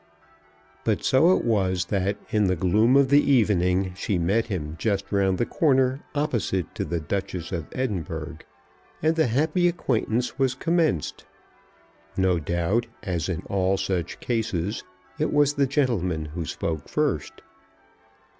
But so it was that in the gloom of the evening she met him just round the corner opposite to the "Duchess of Edinburgh," and the happy acquaintance was commenced. No doubt, as in all such cases, it was the gentleman who spoke first.